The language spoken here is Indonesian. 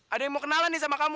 ada yang mau kenalan nih sama kamu